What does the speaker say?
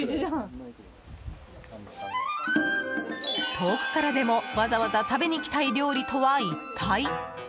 遠くからでも、わざわざ食べに来たい料理とは一体？